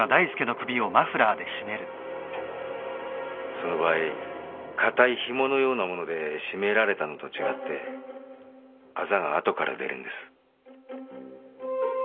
その場合硬いひものようなもので絞められたのと違ってあざが後から出るんです。